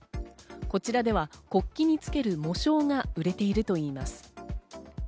こちらでは国旗につける喪章が売れているといいます。